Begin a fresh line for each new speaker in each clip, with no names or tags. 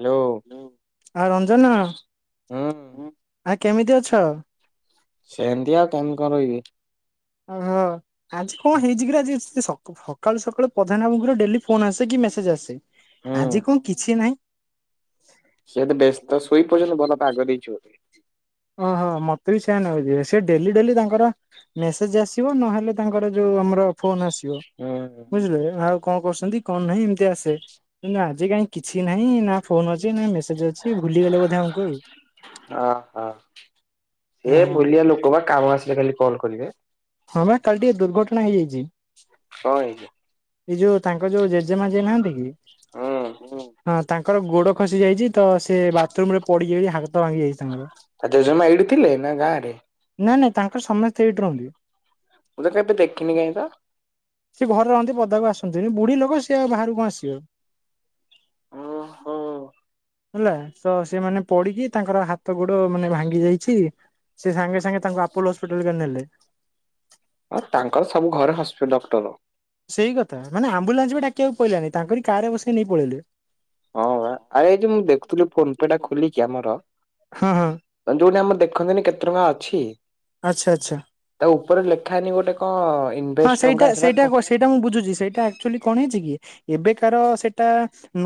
Hello.
Hello. ଆଉ ରଞ୍ଜନ ହୁଁ କେମିତି ଅଛ?
ସେମତି ଆଉ କେମିତି କଣ ରହିବେ।
ଓହୋ ଆଜି କଣ ହେଇଛିକିରେ ଆଜି ସ ସକାଳୁ ସକାଳୁ ପ୍ରଧାନ ବାବ ଙ୍କର ଡେଲି ଫୋନ୍ ଆସେ କି ମ୍ୟାସଜ୍ ଆସେ।
ହୁଁ।
ଆଜି କଣ କିଛି ନାହିଁ।
ସିଏ ତ ବ୍ୟସ୍ତ ଶୋଇପଡିଛନ୍ତି ଭଲ ପାଗ ଦେଇଛି ବୋଲି।
ଅହ ମୋତେ ବି ସେୟା ନିବେଯେ ସେ ଡେଲି ଡେଲି ତାଙ୍କର ମେସେଜ ଆସିବ ନହେଲେ ତାଙ୍କର ଯୋଉ ଜଉ ଆମର ଫୋନ୍ ଆସିବ
ହୁଁ।
ବୁଝିଲେ [unintelligible] ଙ୍କ କରୁଛନ୍ତି କଣ ନାହିଁ ଏମତି ଆସେ କିନ୍ତୁ ଆଜି କାହିଁ କିଛି ନାହିଁ ନା ଫୋନ ଅଛି ଚି ନା ମେସେଜ ଅଛି ଭୁଲିଗଲ ବୋଧେ ଆମକୁ ଆଉ। ହଁ
ସେ ଭୁଲିଆ ଲୋକ ବା କାମ ଆସିଲେ ଖାଲି କଲ କରିବେ।
ହଁ ବା କାଲି ଟିକେ ଦୁର୍ଘଟଣା ହେଇଯାଇଚି।
ହଁ ଆଜ୍ଞା।
ଏଇ ଯୋଉ ତାଙ୍କ ଯୋଉ ଜେଜେମା ଯେ ନାହାନ୍ତି କି
ହୁଁ
ହଁ ତାଙ୍କ ତାଙ୍କର ଗୋଡ ଖସି ଯାଇଛି ତ ସେ ବାଥରୁମ ରେ ପଡିଯାଇ ହା
ଆ ଜେଜେମାଁ ଏଇଠି ଥିଲେ ନା ଗାଁରେ
ନା ନା ତାଙ୍କର ସମସ୍ତେ ଏଠି ରହନ୍ତି।
ମୁ ତ କାଇଁ ଦେଖିିନି କାଇଁ ତ।
ସିଏ ଘରେ ରହନ୍ତି ପଦାକୁ ଆସନ୍ତିନି ବୁଢୀ ଲୋକ ସିଏ ଆଉ ବାହାରକୁ କଣ ଆସିବେ।
ଓହୋ।
[inaudible] ହେଲା ତ ସେମାନେ ପଡିକି ତାଙ୍କର ହାତ ଗୋଡ ମାନେ ଭାଙ୍ଗି ଯାଇଛି ସେ ସାଙ୍ଗେ ସାଙ୍ଗେ ତାଙ୍କୁ ଆପୋଲ ହସ୍ପିଟାଲ ହେକା ନେଲେ।
ଆଉ ତାଙ୍କର ସବୁ ଘରେ ହସ୍ପି ଡକ୍ଟର।
ସେଇ କଥା ମାନେ ଆମ୍ବୁଲାନ୍ସ ବି ଡାକିବାକୁ ପଇଲାନି ତାଙ୍କରି କାର ରେ ବସିକି ନେଇକି ପଳେଇଲେ।
ହଁ ବା ଆରେ ଏଇ ଯଉ ମୁଁ ଦେଖୁଥିଲି ଫୋନପେ ଟା ଖୋଲିଚି ଆମର
ହଁ ହଁ
ଅ ଜଉଥି ଆମର ଦେ ଦେଖନ୍ତିନି କେତେ ଟଙ୍କା ଅଛି
ଆଚ୍ଛା ଆଚ୍ଛା।
ତା ଉପରେ ଲେଖା ହେଇନି ଗୋଟେ ଙ୍କ
ହଁ ସେଇଟା ସେଇଟା କୋ ସେଇଟା ମୁଁ ବୁଝୁଛି ସେଇଟା ଅକ୍ଚୋଲୀ କଣ ହେଇଛି କି ଏବେକାର ସେ- ତା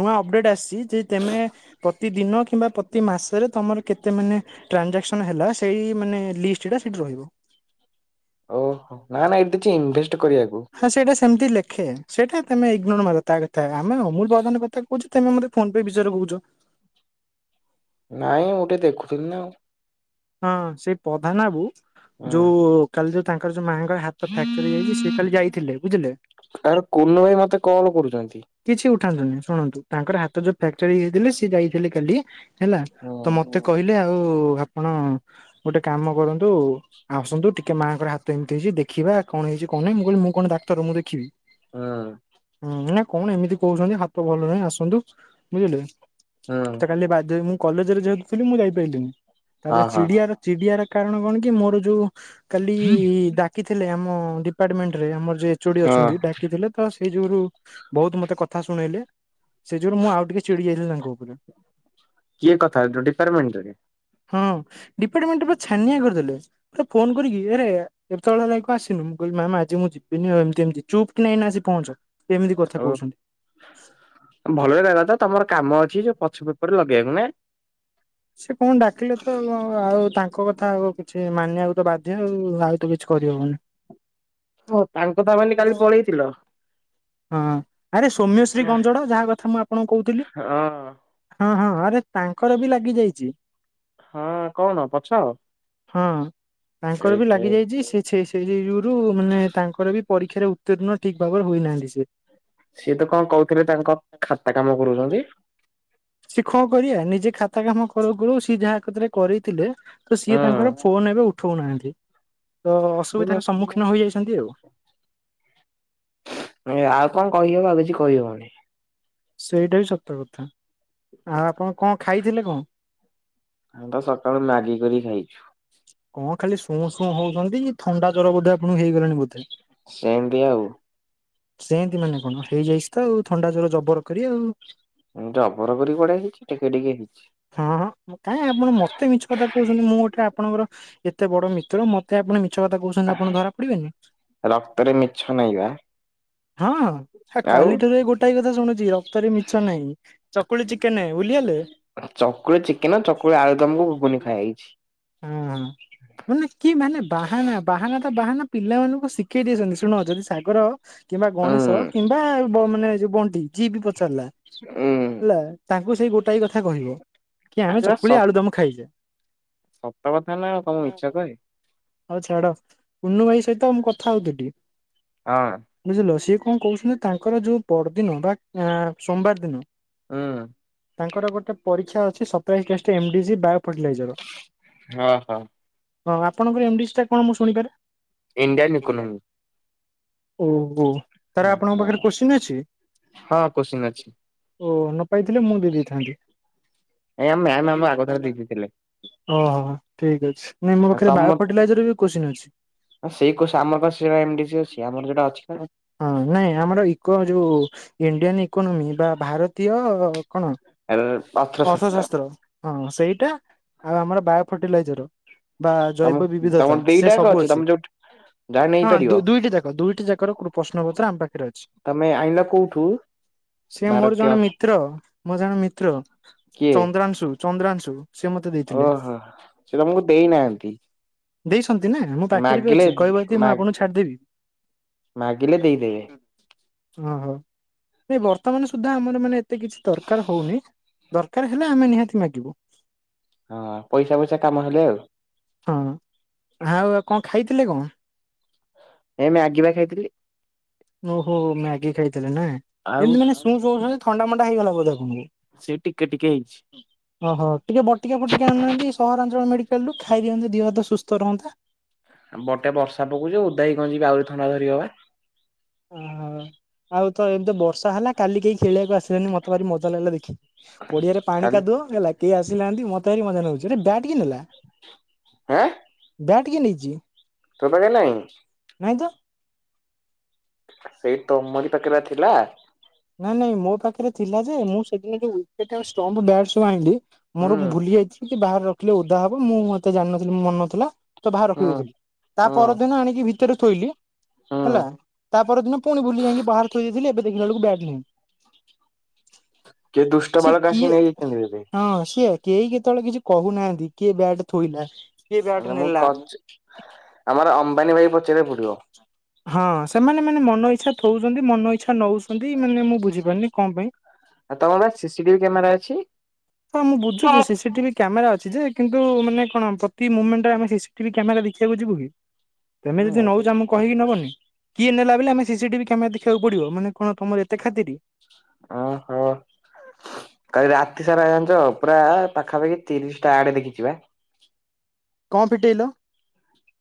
ନୂଆ ଅପଡେଟ ଆସଚି ଯେ ତେମେ ପ୍ରତିଦିନ କିମ୍ବା ପତି ମାସରେ ତମର କେତେ ମାନେ ନେ ଟ୍ରାନଂଜାକ୍ସନ ହେଲା ସେଇ ମାନେ ଲିଷ୍ଟ ଟା ସେଠି ରହିବ।
ଓହୋ ନା ନା ଏଇଠି କିଛି ଇନଭେଷ୍ଟ କରିବାକୁ।
ହଁ ସେଇଟା ସେମିତି ଲେଖେ ସେଇଟା ତମେ ଇଗ୍ନୋର ମାର ତା କଥା ଆମେ ଅମୁଲ ବାଦାନ କଥା କହୁଚୁ ତମେ ମତେ ଫୋନପେ ବିସରେ କହୁଚ।
ନାଇଁ ମୁଁ ଟିକେ ଦେଖୁଥିଲି ନା ଆଉ।
ହଁ ସେଇ ପଧାନ ବାବୁ
ଆଉ
ଯୋଉ କାଲି ଯୋଉ ତାଙ୍କର ଜଉ ମା ଙ୍କର ହାତ ଫ୍ୟାକ୍ଚର ଯାଇଚି ସେ କାଲି ଯାଇଥିଲେ ବୁଝିଲେ।
ହୁଁ ଆରେ କୁନୁ ଭାଇ ମତେ କଲ୍ କରୁଛନ୍ତି।
କିଛି ଉଠାନ୍ତୁନି ଶୁଣନ୍ତୁ ତାଙ୍କର ହାତ ଯୋଉ ଫ୍ୟାକ୍ଟରୀ ହେଇଥିଲେ ସିଏ ଯାଇଥିଲେ କାଲି ହେଲା
ହୁଁ
ତ ମତେ କହିଲେ ଆଉ ଆପଣ ଗୋଟେ କାମ କରନ୍ତୁ ଆସନ୍ତୁ ଟିକେ ମାଆଙ୍କର ହାତ ଏମିତି ହେଇଛି ଦେଖିବା କଣ ହେଇଛି କଣ ମୁଁ କହିଲି ମୁଁ କଣ ଦା ତର ମୁଁ ଦେଖିବି
ହଁ।
ନା କଣ ଏମିତି କହୁଛନ୍ତି ହାତ ଭଲ ନାହିଁ ଆସନ୍ତୁ ବୁଝିଲେ
ହୁଁ
ତ କାଲି ବାଧ୍ୟ ହେଇ ମୁଁ କଲେଜରେ ଯେହେତୁ ଥିଲି ମୁଁ ଯାଇପାରିଲିନି।
ହଁ
ତାପରେ
ହଁ
ଚିଡିଆର ଚିଡିଆର କାରଣ କଣ କି ମୋର ଯୋଉ କାଲି ଡାକିଥିଲେ ଆମ ଡିପାର୍ଟମେଣ୍ଟରେ ଆମର ଯୋଉ ଏଚୋଡି
ହଁ।
ଅଛନ୍ତି ଡାକିଥିଲେ ତ ସେଇ ଯୋଗୁରୁ ବହୁତ ମତେ କଥା ଶୁଣେଇଲେ। ସେ ଯୋଗୁରୁ ମୁଁ ଆଉ ଟିକେ ଚିଡି ଯାଇଥିଲି ତାଙ୍କ ଉପରେ।
କିଏ କଥା ଡିପାର୍ମେଣ୍ଟରେ?
ହଁ ଡିପାର୍ଟମେଣ୍ଟ ପୁରା ଛାନିଆ କରିଦେଲେ। ମତେ ଫୋନ କରିକି ଆରେ ଏତେବେଳ ହେଲାଣି କଣ ଆସିନୁ ମୁଁ କ କହିଲି ମ୍ୟାମ୍ ଆଜି ମୁଁ ଯିବିନି ଆଉ ଏମତି ଏମତି ଚୁପ୍ କିନା ଏନା ଆସି ପହଞ୍ଚ ଏମିତି କଥା
ହ
କହୁଛନ୍ତି।
ଓ ଭଲରେ ହେଲା ତ ତମର କାମ ଅଛି ଯୋଉ ପଛୁ ପେପରରେ ଲଗେଇବାକୁ ନା
ସେ କଣ ଡାକିଲେ ତ ଆଉ ତାଙ୍କ ତାଙ୍କ କଥା ଆଉ କିଛି ମାନିବାକୁ ତ ବାଧ୍ୟ ଆଉ ଆଉ ତ କିଛି କରିହବନି।
ହଁ ତାଙ୍କ ତା ମାନି କାଲି ପଳେଇଥିଲ?
ହଁ ଆରେ ସୌମ୍ୟଶ୍ରୀ ଗଞ୍ଜଡ ଯାହା କଥା ମୁଁ ଆପଣଙ୍କୁ କହୁଥିଲି
ହଁ
ହଁ ହଁ ହଁ ରେ ତାଙ୍କର ବି ଲାଗି ଯାଇଛି।
ହଁ କଣ ପଛ
ହଁ
ଏ
ତାଙ୍କର ବି
ହେ
ଲାଗି ଯାଇଛି ସେ ଛେ ସେ ଯୁରୁ ମାନେ ତାଙ୍କର ବି ପରୀକ୍ଷାରେ ଉତ୍ତୀର୍ଣ୍ଣ ଠିକ ଭାବରେ ହୋଇନାହାନ୍ତି ସେ
ସିଏ ତ କଣ କହୁଥିଲେ ତାଙ୍କ ଖାତା କାମ କରୁଛନ୍ତି।
ସି କଣ କରିବା ନିଜେ ଖାତା କାମ କରୁ କରୁ ସିଏ ଯାହା ପାଖରେ କରିଥିଲେ ତ ସିଏ ତାଙ୍କର
ହୁଁ।
ଫୋନ ଏବେ ଉଠଉନାହାନ୍ତି। ତ ଅସୁବିଧାର ସମ୍ମୁଖୀନ ହୋଇଯାଇଛନ୍ତି ଆଉ।
ଏ ଆଉ କଣ କହିହବ ଆଉ କିଛି କହିହବନି।
ସେଇଟା ବି ସତ କଥା। ଆଉ ଆପଣ କଣ ଖାଇଥିଲେ କଣ?
ଆମେ ତ ସକାଳୁ ମାଗି କରିକି ଖାଇଛୁ।
କଣ ଖାଲି ଶୁଅଁ ଶୁଅଁ ହଉଛନ୍ତି ଥଣ୍ଡା ଜ୍ୱର ବୋଧେ ଆପଣଙ୍କୁ ହେଇଗଲାଣି ବୋଧେ?
ସେମିତି ଆଉ।
ସେମତି ମାନେ କଣ ହେଇଯାଇଛି ତ ଆଉ ଥଣ୍ଡା ଜର ଜବର କରି ଆଉ।
ହୁଁ ଜବର କରି କୁଆଡ଼େ ହେଇଛି ଟିକେ ଟିକେ ହେଇଛି।
ହଁ କାଇଁ ଆପଣ ମତେ ମିଛ କଥା କହୁଛନ୍ତି ମୁଁ ଗୋଟେ ଆପ ଆପଣଙ୍କର ଏତେ ବଡ ମିତ୍ର ମତେ ଆପଣ ଛ କଥା କହୁଛନ୍ତି ଆପଣ ଧରା ପଡିବେନି
ରକ୍ତରେ ମିଛ ନାହିଁ ବା।
ହଁ
ଆଉ
କାଲିଠାରୁ ଏ ଗୋଟାଏ କଥା ଶୁଣୁଛି ରକ୍ତରେ ମିଛ ନାହିଁ ଚକୁଳି ଚିକେନ ଭୁଲିଗଲେ?
ଚକୁଳି ଚିକେନ ଚକୁଳି ଆଳୁଦମକୁ ଘୁଗୁନି ଖାଇଆ ହେଇଛି।
ହୁଁ ମାନେ କି ମାନେ ବାହାନା ବାହାନା ତ ବାହାନା ପିଲାମାନଙ୍କୁ ଶିଖେଇ ଦେଇଛନ୍ତି ଶୁଣ ଯଦି ସାଗର କିମ୍ବା
ଉଁ
ଗଣେଶ କିମ୍ବା ବ ମାନେ ଯୁ ବନ୍ତି ଯିଏ ବି ପଚାରିଲା
ହୁଁ।
ହେଲା ତାଙ୍କୁ ସେଇ ଗୋଟାଏ କଥା କହିବ। କି ଆମେ
ଆରେ ସ
ଚକୁଳି ଆଳୁ ଦମ ଖାଇଚେ।
ସତ କଥା ନା ଆଉ କଣ ମୁ ମିଛ କହେ।
ହଉ ଛାଡ ପୁନୁ ଭାଇ ସହିତ ମୁଁ କଥା ହଉଥିଲି
ହଁ
ବୁଝିଲ ସିଏ କ କଣ କହୁଛନ୍ତି ତାଙ୍କର ଯୋଉ ପରଦିନ ବା ସୋମବାର ଦିନ
ହଁ।
ତାଙ୍କର ଗୋଟେ ପରୀକ୍ଷା ଅଛି ସଫ୍ଟଓୟାର ଏକେଷ୍ଟେ ରେ ଏମଡିଜି ବା
ହଁ ହଁ।
ହଁ ଆପଣଙ୍କର ଏମଡିସ୍ ଟା କଣ ମୁଁ ଶୁଣିପାରେ?
Indian economy.
ଓହୋ ତାହାଲେ ଆପଣଙ୍କ ପାଖରେ କୋଶ୍ଚିନ୍ ଅଛି?
ହଁ କୋଶ୍ଚିନ୍ ଅଛି।
ଓ ନ ପାଇଥିଲେ ମୁଁ ଦେଇଥାନ୍ତି।
ଏ ଆମ ମ୍ୟାମ୍ ଆମ ଆଗ ଥର ଦେଇ ଦେଇଥିଲେ।
ଓହୋ ଠିକ ଅଛି ନାଇଁ ମୋ ପାଖରେ ବାୟୋ ଆଧେରେ ବି କୋଶ୍ଚିନ୍ ଅଛି।
ଆ ସେଇ କୋର୍ସ ଆମର କଣ ସେ ବା ଏମ ଡି ସି ଅଛି, ଆମର ଯୋଉଟା ଅଛି ନା
ହଁ ନାଇଁ ଆମର ଇକୋ ଯୋଉ ଇଣ୍ଡିଆନ ଇକୋନୋମି ବା ଭାରତୀୟ କଣ ଅର୍ଥଶାସ୍ତ୍ର, ହଁ ସେଇଟା ଆଉ ଆମର ବାୟୋ ଫର୍ଟିଲାଇଜର ବା
ତମ
ଜୈବ ବିବିଧତା
ତମର
ସେ
ଦିଟା ଯାକ
ସବୁ ଅଛି।
ତମେ ଯୋଉଠି ଯାହା
ହଁ
ନେଇପାରିବ।
ଦୁଇ ଦୁଇଟି ଯାକ ଦୁଇଟି ଯାକର କୁ ପ୍ରଶ୍ନ ପତ୍ର ଆମ ପାଖରେ ଅଛି।
ତମେ ଆଇଁଲ କୋଉଠୁ?
ସେ ମୋର
ଭାରତୀୟ
ଜଣେ
ଅର୍ଥ
ମିତ୍ର, ମୋ ଜଣେ ମିତ୍ର
କିଏ
ଚନ୍ଦ୍ରାଂଶୁ, ଚନ୍ଦ୍ରାଂଶୁ ସେ ମତେ ଦେଇଥିଲେ।
ଓହୋ। ସିଏ ତମକୁ ଦେଇନାହାଁନ୍ତି?
ଦେଇଛନ୍ତି ନା ମୋ ପାଖରେ ବି ଅଛି, କହିବ ଯଦି ମୁଁ
ମା
ଆପଣଙ୍କୁ ଛାଡ଼ିଦେବି।
ମାଗିଲେ ଦେଇଦେବେ।
ଓହୋ। ଏଇ ବର୍ତ୍ତମାନ ସୁଦ୍ଧା ଆମର ମାନେ ଏତେ କିଛି ଦରକାର ହଉନି ଦରକାର ହେଲେ ଆମେ ନିହାତି ମାଗିବୁ।
ହଁ ପଇସା ଫଇସା କାମ ହେଲେ ଆଉ।
ହଁ ଆଉ ଆଉ କଣ ଖାଇଥିଲେ କଣ?
ଏଇ ମ୍ୟାଗି ବା ଖାଇଥିଲି।
ଓହୋ, ମ୍ୟାଗି ଖାଇଥିଲେ ନା।
ଆଉ
ଯେମତି ମାନେ ସୁ ସୁଁ ହଉଛନ୍ତି ଥଣ୍ଡା ମଣ୍ଡା ହେଇଗଲା ବୋଧେ
ସେ ଟିକେ ଟିକେ ହେଇଛି।
ଆପଣଙ୍କୁ? ଓହୋ। ଟିକେ ବଟିକା ଫଟିକା ଆଣୁନାହାଁନ୍ତି ସହରାଞ୍ଚଳ ମେଡି ନେଲୁ ଖାଇ ଦିଅନ୍ତୁ ଦିହ ହାତ ସୁସ୍ଥ ରହନ୍ତା।
ଏପଟେ ବର୍ଷା ପକଉଛି ଓଦା ହେଇ କଣ ଯିବେ ଆହୁରି ଥଣ୍ଡା ଧରିବ ବା।
ଓହୋ। ଆଉ ତ ଏ ବର୍ଷା ହେଲା କାଲି କେହି ଖେଳିବାକୁ ଆସିଲେନି ମତେ ଭାରି ମଜା ଲାଗିଲା ଦେଖି। ପଡିଆରେ ପାଣି
କାଲି
କାଦୁଅ ହେଲା କେହି ଆସି ନାହାଁନ୍ତି ମତେ ଭାରି ମଜା ନାଗୁଛି। ଆରେ ବ୍ୟାଟ୍ କିଏ ନେଲା?
ଆଁ
ବ୍ୟାଟ୍ କିଏ ନେଇଚି?
ତୋ ପାଖେରେ ନାହିଁ?
ନାଇଁ ତ।
ସେଇ ତମରି ପାଖେ ବା ଥିଲା।
ନାଇଁ ନାଇଁ ମୋ ପାଖରେ ଥିଲା ଯେ, ମୁଁ ସେଦିନ ଯୋଉ ୱିକେଟ୍ ଆଉ ଷ୍ଟମ୍ପ, ବ୍ୟାଟ୍ ସବୁ ଆଇଁଲି
ହୁଁ
ମୋର ଭୁଲି ଯାଇଛି କି ବାହାରେ ରଖିଲେ ଓଦା ହବ, ମୁଁ ଏତେ ଜାଣିନଥିଲି ମୋ ମନ ନଥିଲା ବାହାର
ହୁଁ
ରଖିଦେଇଥିଲି, ତା
ହୁଁ
ପରଦିନ ଆଣିକି ଭିତରେ ଥୋଇଲି
ହୁଁ
ହେଲା, ତା ପରଦିନ ପୁଣି ଭୁଲି ଯାଇଁକି ବାହାରେ ଥୋଇ ଦେଇଥିଲି ଏବେ ଦେଖିଲା ବେଳକୁ ବ୍ୟାଟ୍ ସିଏ
କିଏ ଦୁଷ୍ଟ ବାଳକ ଆସିକି
କିଏ
ନେଇଯାଇଛନ୍ତି ବୋଧେ
ହଁ ସିଏ କେହି କେତେବେଳେ କିଛି କହୁନାହାଁନ୍ତି କିଏ ବ୍ୟାଟ ଥୋଇଲା କିଏ ବ୍ୟାଟ
ତାହେଲେ ମୁଁ
ନେଲା।
କଉଚି ଆମର ଅମ୍ବାନୀ ଭାଇକି ପଚାରିବାକୁ ପଡିବ।
ହଁ ସେମାନେ ମାନେ ମନ ଇଚ୍ଛା ଥୋଉଛନ୍ତି, ମନ ଇଚ୍ଛା ନଉଛନ୍ତି ମାନେ ମୁଁ ବୁଝିପାରୁନି କଣ ପାଇଁ?
ଆଉ ତମର ବା ସିସି ଟିଭି କ୍ୟାମେରା ଅଛି?
ହଁ ମୁଁ ବୁଝୁଛି ସିସି ଟିଭି କ୍ୟାମେରା ଅଛି ଯେ, କିନ୍ତୁ ମାନେ କଣ ପ୍ରତି ମୁମେଣ୍ଟରେ ଆମେ ସିସିଟିଭି କ୍ୟାମେରା ଦେଖିବାକୁ ଯିବୁ କି? ତେମେ ଯଦି ନଉଛ ଆମକୁ କହିକି ନବନି, କିଏ ନେଲା ବେଲି ଆମେ ସିସିଟିଭି କ୍ୟାମେରା ଦେଖିବାକୁ ପଡ଼ିବ, ମାନେ କଣ ତମର ଏତେ ଖାତିରି।
ଓହୋ। କାଲି ରାତିସାରା ଜାଣିଛ ପୁରା ପାଖାପାଖି ତିରିଶଟା ଆଡ ଦେଖିଚି ବା।
କଣ ପିଟେଇଲ?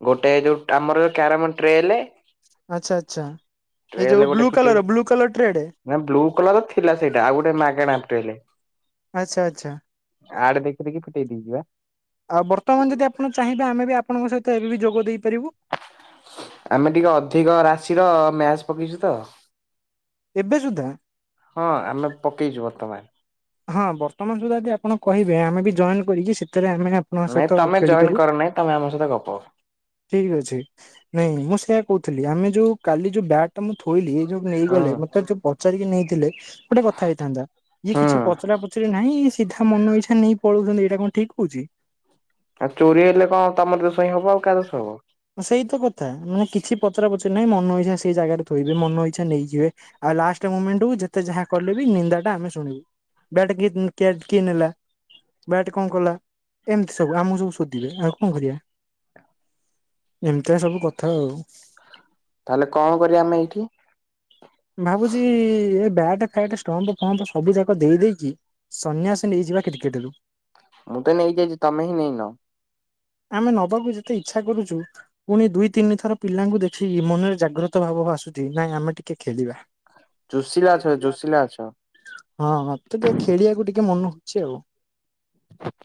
ଗୋଟେ ଯୋଉ ଆମର ଯୋଉ କ୍ୟାରମ ଟ୍ରେଲେ
ଆଚ୍ଛା ଆଚ୍ଛା। ଏ ଯୋଉ blue colour blue colour tray
ନାଁ ବ୍ଲୁ କଲର ଥିଲା ସେଇଟା ଆଉ ଗୋଟେ ମାଗଣା ପଟେଇଲେ।
ଆଚ୍ଛା ଆଚ୍ଛା।
ଆଡ ଦେଖି ଦେଖି ଫିଟେଇ ଦେଇଚି ବା।
ଏବେ ଆମେ ବି ଆପଣଙ୍କ ସହିତ ଏବେ ବି ଯୋଗ ଦେଇ
ଆମେ ଟିକେ ଅଧିକ ରାଶିର ମ୍ୟାଜ ପକେଇଛୁ ତ।
ଏବେ ସୁଦ୍ଧା।
ହଁ ଆମେ ପକେଇଚୁ ବର୍ତ୍ତମାନ।
ହଁ ବର୍ତ୍ତମାନ ସୁଦ୍ଧା ଯଦି ଆପଣ କହିବେ ଆମେ ବି ଜଏନ୍ କରିକି ସେ ତେବେ ଆମେ ବି ଆପଣଙ୍କ
ନାଇଁ
ସହିତ
ତମେ ଜଏନ୍
ଖେଳିପାରିବୁ।
କର ନାଇଁ ତମେ ଆମ ସହିତ ଗପ ହୁଁ
ଠିକ ଅଛି ନାଇଁ ମୁଁ ସେଇଆ କହୁ ଥିଲି ଆମେ ଯୋଉ କାଲି ଯୋଉ ବ୍ୟାଗ୍ ଟା ମୁଁ ଥୋଇଲି ଯୋଉ ନେଇଗଲେ ମତେ ଯଉ ପଚାରିକି ନେଇଥିଲେ ଗୋଟେ କଥା ହେଇଥାନ୍ତା ଇଏ କିଛି
ହୁଁ।
ପଚରା ପଚରି ନାହିଁ ସିଧା ମନ ଇଛା ନେଇ ପଳଉଛନ୍ତି ଏଇଟା କଣ ଠିକ ହେଉଛି।
ଆଉ ଚୋରି ହେଲେ କଣ ତମର ଦେୋଷ ହିଁ ହବ ଆଉ କାହା ଦୋଷ ହବ।
ସେଇତ କଥା ମାନେ କିଛି ପ ପଚରା ପଚରି ନାଇଁ ମନ ଇଛା ସେଇ ଜାଗାରେ ଥୋଇବେ ମନଇଛା ନେଇଯିବେ ଆଉ ଲାଷ୍ଟ ମୋମେଂଟକୁ ଯେତେ ଯାହା କଲେବି ନିନ୍ଦା ଟା ଆମେ ଶୁଣିବୁ ବ୍ୟାଟ କିଏ କିଏ ନେଲା। ବ୍ୟାଟେ କଣ କଲା ଏମିତି ସବୁ ଆମକୁ ସବୁ ଶୋଧିବେ ଆଉ କଣ କରିବା। ଏମିତିଆ ସବୁ କଥା ଆଉ।
ତାହେଲେ କଣ କରିବା ଆମେ ଏଇଠି।
ଭାବୁଚି ଏ ବ୍ୟାଟ ଫ୍ୟାଟ ଷ୍ଟମ୍ପ ଫମ୍ପ ସବୁ ଯାକ ଦେଇ ଦେଇକି ସନ୍ନ୍ୟାସ ନେଇ ଯିବା କ୍ରିକେଟରୁ।
ମୁଁ ତ ନେଇକି ଆଇଚି ତମେ ହିଁ ନେଇନ।
ଆମେ ନବାକୁ ଯେତେ ଇଚ୍ଛା କରୁଚୁ ପୁଣି ଦୁଇ ତିନି ଥର ପିଲାଙ୍କୁ ଦେଖିକି ମନରେ ଜାଗ୍ରତ ଭାବ କ ଆସୁଛି ନାଇଁ ଆମେ ଟିକେ ଖେଳିବା।
ଜୋସିଲା ଅଛ ଜୋସିଲା ଅଛ।
[inaudible] ହଁ ହଁ ମତେ ଖେଳିବାକୁ ଟି ଟିକେ ମନ ହଉଚି ଆଉ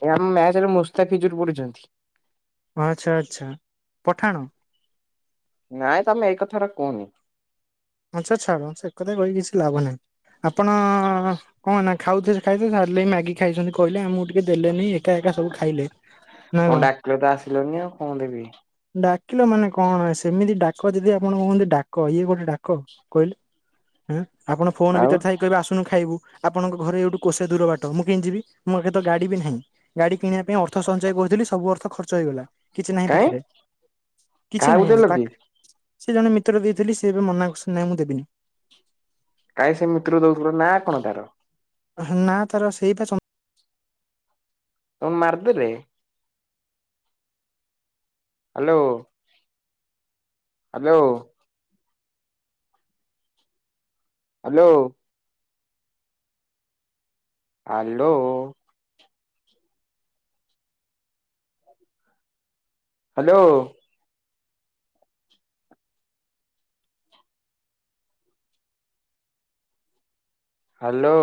ଆପଣ ମ୍ୟାଚରେ ମୁସ୍ତାଫିଜୁର ପଡୁଛନ୍ତି।
ଆଚ୍ଛା ଆଛା ପଠାଣ।
ନାଇଁ ତମେ ଏଇ କଥାରା କୁହନି।
ଆଛାଛାଡ଼ ସେକଥା କହି କିଛି ଲାଭ ନାହିଁ ଆପଣ କଣ ନା ଖାଉଥେ ଖାଇ ସାରିଲେ ମ୍ୟାଗି ଖାଇଛନ୍ତି କହିଲେ ଆମକୁ ଟିକେ କି ଦେଲେନି ଏକା ଏକା ସବୁ ଖାଇଲେ ନା
ଡାକିଲ ତ
କଣ।
ଆସିଲନି ଆଉ କଣ ଦେବି।
ଡାକିଲ ମାନେ କଣ ସେମିତି ଡାକ ଯଦି ଆପଣ କୁହନ୍ତି ଡାକ ଇଏ ଗୋଟେ ଡାକ କହିଲେ। ହେଁ ଆପଣ ଫୋନ
ଆଉ
ଭିତରେ ଥାଇ କହିବେ ଆସୁନୁ ଖାଇବୁ। ଆପଣଙ୍କ ଘର ଏଇଠୁ କୋଷେ ଦୂର ବାଟ ମୁଁ କେନ୍ତି ଯିବି ମୋ ପାଖେ ତ ଗାଡି ବି ନାହିଁ ଗାଡି କିଣିବା ପାଇଁ ଅର୍ଥ ସଞ୍ଚୟ କରିୁଥିଲି ସବୁ ଅର୍ଥ ଖର୍ଚ୍ଚ ହେଇଗଲା କିଛି ନାହିଁ
କାଇଁ
ପାଖରେ। କିଛି
କାହାକୁ
ନାହିଁ ଆଉ
ଦେଲ କି
ତାକ ସେ ଜଣେ ମିତ୍ର କୁ ଦେଇଥିଲି ସେ ଏବେ ମନା କରୁସନ୍ତି ନାଇଁ ମୁଁ ଦେବିନି।
କାଇହିଁ ସେ ମିତ୍ର କୁ ଦଉଥିଲ ନା କଣ ତାର?
ନା ତାର ସେଇ ପା ଚନ୍ଦ
ତମ ମାରଦ ରେ hello. Hello. Hello. Hello. Hello. Hello.